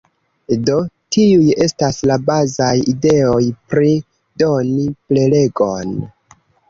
Do tiuj estas la bazaj ideoj pri doni prelegon.